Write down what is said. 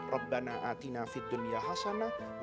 rabbana a'tina fid dunya hasanah